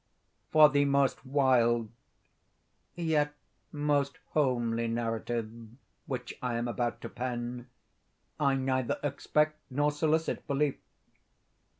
For the most wild, yet most homely narrative which I am about to pen, I neither expect nor solicit belief.